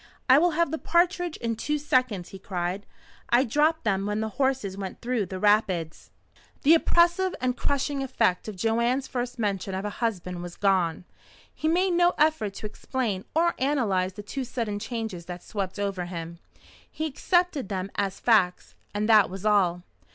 "I will have the partridges in two seconds!" he cried. "I dropped them when the horses went through the rapids." The oppressive and crushing effect of Joanne's first mention of a husband was gone. He made no effort to explain or analyze the two sudden changes that swept over him. He accepted them as facts, and that was all.